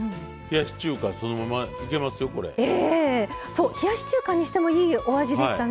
そう冷やし中華にしてもいいお味でしたね。